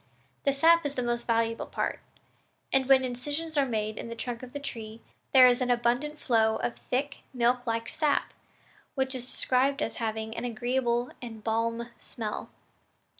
The sap is the most valuable part; and when incisions are made in the trunk of the tree, there is an abundant flow of thick milk like sap, which is described as having an agreeable and balmv smell.